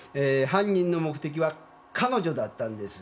犯人の目的は彼女だったんです。